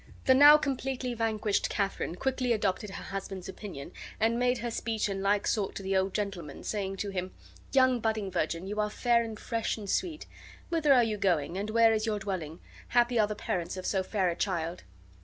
The now completely vanquished Katharine quickly adopted her husband's opinion, and made her speech in like sort to the old gentleman, saying to him: "Young budding virgin, you are fair and fresh and sweet. Whither are you going, and where is your dwelling? Happy are the parents of so fair a child."